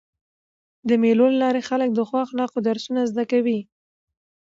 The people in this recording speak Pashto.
د مېلو له لاري خلک د ښو اخلاقو درسونه زده کوي.